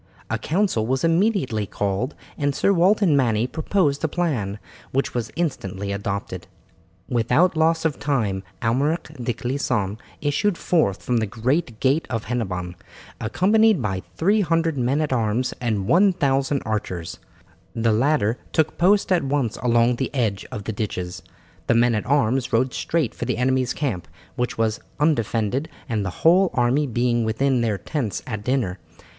A council was immediately called, and Sir Walter Manny proposed a plan, which was instantly adopted. Without loss of time Almeric de Clisson issued forth from the great gate of Hennebon, accompanied by 300 men at arms and 1000 archers. The latter took post at once along the edge of the ditches. The men at arms rode straight for the enemy's camp, which was undefended, the whole army being within their tents at dinner.